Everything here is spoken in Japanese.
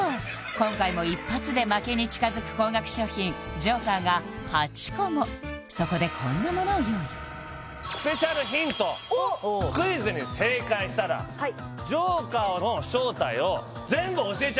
今回も一発で負けに近づく高額商品ＪＯＫＥＲが８個もそこでこんなものを用意おっクイズに正解したらはいＪＯＫＥＲの正体をえ！